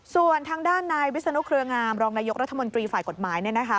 ส่วนทางด้านนายวิศนุเครืองามรองนายกรัฐมนตรีฝ่ายกฎหมายเนี่ยนะคะ